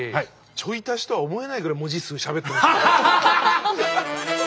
ちょい足しとは思えないぐらい文字数しゃべってました。